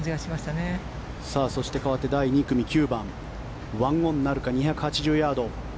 かわって第２組９番、１オンなるか２８０ヤード。